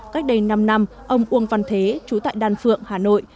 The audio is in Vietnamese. cách đây năm năm ông uông văn thế chú tại đan phượng hà nội